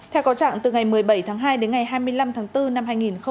theo có trạng từ ngày một mươi bảy tháng hai đến ngày hai mươi năm tháng bốn năm hai nghìn hai mươi